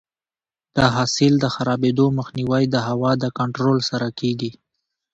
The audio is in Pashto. د حاصل د خرابېدو مخنیوی د هوا د کنټرول سره کیږي.